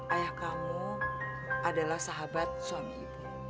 ayah kamu adalah sahabat suami ibu